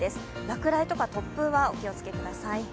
落雷とか突風はお気をつけください。